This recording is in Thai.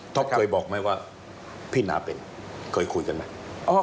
เคยบอกไหมว่าพี่นาเป็นเคยคุยกันไหม